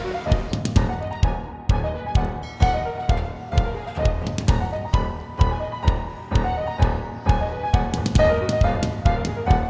kita kan tidak langsung